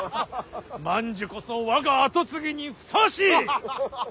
万寿こそ我が跡継ぎにふさわしい！